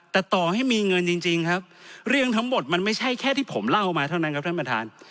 แต่ต่อให้มีเงินจริงครับเรื่องทั้งหมดมันไม่ใช่แค่ที่ผมเล่ามาเท่านั้นครับท่านประธาน